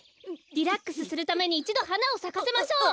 リラックスするためにいちどはなをさかせましょう。